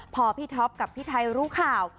พอพี่ท็อปกับพี่ไทยรู้ข่าว